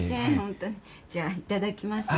じゃあいただきます。